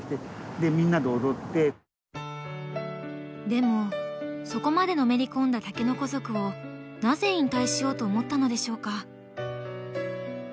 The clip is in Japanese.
でもそこまでのめり込んだ竹の子族をなぜ引退しようと思ったのでしょうか？